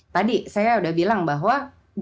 tadi saya sudah bilang bahwa